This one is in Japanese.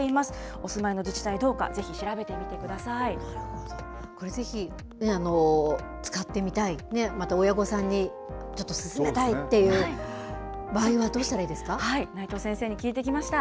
お住まいの自治体どうか、ぜひ調これ、ぜひね、使ってみたい、また親御さんにちょっと勧めたいっていう場合はどうしたらいいで内藤先生に聞いてきました。